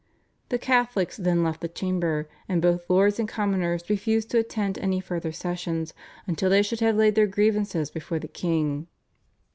The Catholics then left the chamber, and both Lords and Commoners refused to attend any further sessions until they should have laid their grievances before the king.